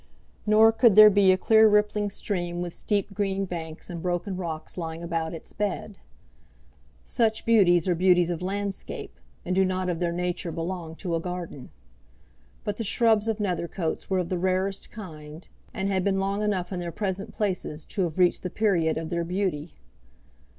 Nor could there be a clear rippling stream with steep green banks, and broken rocks lying about its bed. Such beauties are beauties of landscape, and do not of their nature belong to a garden. But the shrubs of Nethercoats were of the rarest kind, and had been long enough in their present places to have reached the period of their beauty.